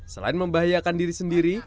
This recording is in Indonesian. selain membahayakan diri sendiri